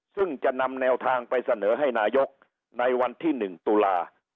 ซึ่งจะนำแนวทางไปเสนอให้นายกในวันที่๑ตุลา